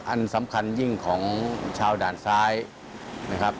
อันสำคัญยิ่งของชาวด่านซ้ายนะครับ